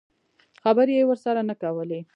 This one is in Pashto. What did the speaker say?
خبرې یې ورسره نه کولې.